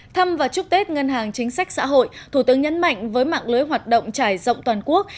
thăm và chúc tết ngân hàng chính sách xã hội thủ tướng nhấn mạnh với mạng lưới hoạt động trải rộng toàn quốc